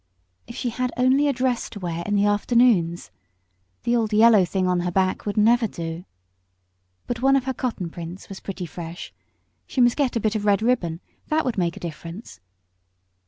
If she had only a dress to wear in the afternoons! The old yellow thing on her back would never do. But one of her cotton prints was pretty fresh; she must get a bit of red ribbon that would make a difference.